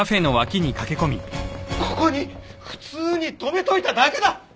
ここに普通に止めといただけだ！